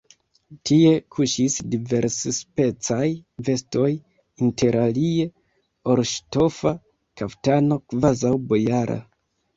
Tie kuŝis diversspecaj vestoj, interalie orŝtofa kaftano, kvazaŭ bojara.